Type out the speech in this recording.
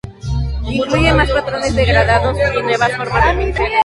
Incluye más patrones, degradados y nuevas formas de pinceles.